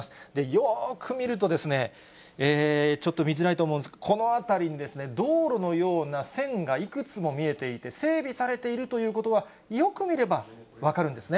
よく見ると、ちょっと見づらいと思うんですが、この辺りにですね、道路のような線がいくつも見えていて、整備されているということは、よく見れば分かるんですね。